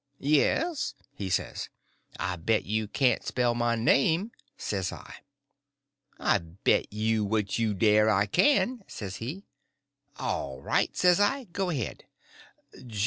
"Yes," he says. "I bet you can't spell my name," says I. "I bet you what you dare I can," says he. "All right," says I, "go ahead."